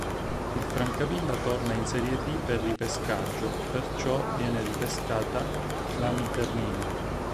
Il Francavilla torna in Serie D per ripescaggio, perciò viene ripescata l'Amiternina.